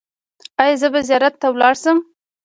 ایا زه به زیارت ته لاړ شم؟